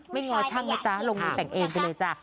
ไม่ง้อยทั้งนะจ๊ะลงไปแต่งเองกันเลยจ้ะ